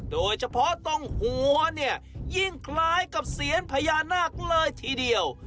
โดยเฉพาะตรงหัวเนี่ยยิ่งคล้ายกับเซียนพญานาคเลยทีเดียว